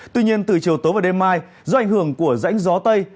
tuy nhiên từ chiều tối và đêm mai do ảnh hưởng của rãnh gió tây